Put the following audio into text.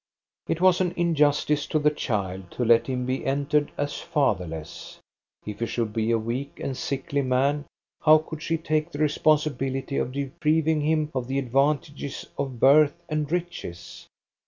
It was an injustice to the child to let him be en tered as fatherless. If he should be a weak and sickly man, how could she take the responsibility of depriving him of the advantages of birth and riches?